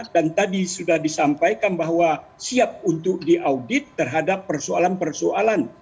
dan tadi sudah disampaikan bahwa siap untuk diaudit terhadap persoalan persoalan